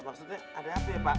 maksudnya ada apa ya pak